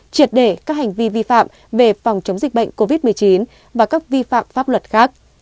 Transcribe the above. triệt để các hành vi vi phạm về phòng chống dịch bệnh covid một mươi chín và các vi phạm pháp luật khác